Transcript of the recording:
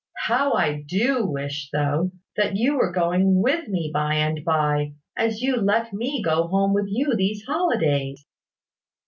How I do wish, though, that you were going with me by and by, as you let me go home with you these holidays!"